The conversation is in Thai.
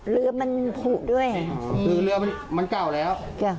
เรือมันผูด้วยอืมคือเรือมันเก่าแล้ว